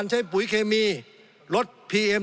สงบจนจะตายหมดแล้วครับ